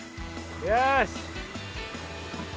よし！